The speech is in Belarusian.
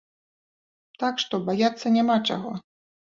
Так што, баяцца няма чаго.